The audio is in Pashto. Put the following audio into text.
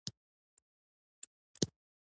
او تېر شوي دي